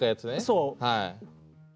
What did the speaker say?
そう！